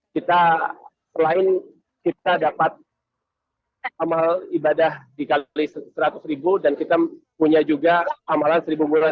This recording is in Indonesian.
kita selain kita dapat amal ibadah dikali seratus ribu dan kita punya juga amalan seribu bulan